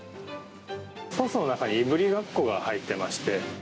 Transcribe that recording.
ソースの中にいぶりがっこが入ってまして。